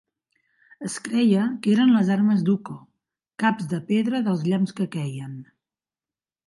Es creia que eren les armes d'Ukko, caps de pedra dels llamps que queien.